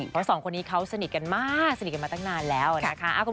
เพราะสองคนนี้เขาสนิทกันมากสนิทกันมาตั้งนานแล้วนะคะ